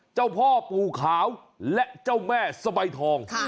เจ้าพ่อปู่ขาวและเจ้าแม่สะใบทอง